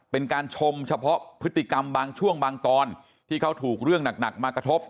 เป็นการชมเฉพาะพฤติกรรมบางช่วงบางตอนที่เขาถูกเรื่องหนักมากระทบ